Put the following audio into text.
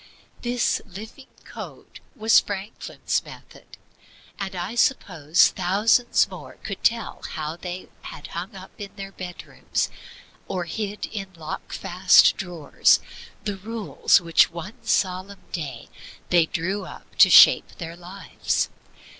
This living by code was Franklin's method; and I suppose thousands more could tell how they had hung up in their bedrooms, or hid in locked fast drawers, the rules which one solemn day they drew up to shape their lives.